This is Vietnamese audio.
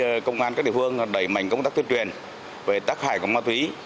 hối hợp với công an các địa phương đẩy mạnh công tác tuyên truyền về tác hại ma túy